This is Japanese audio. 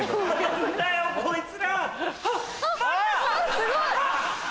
すごい！